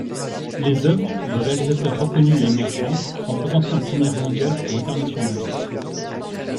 Les œuvres de réalisateurs reconnus et émergents sont présentées en première mondiale ou internationale.